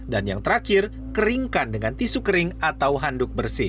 dan yang terakhir keringkan dengan tisu kering atau handuk bersih